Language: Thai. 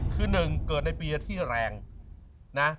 คือหนึ่งเกิดในปีที่แรงนะ